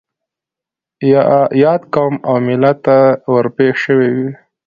ياد قوم او ملت ته ور پېښ شوي وي.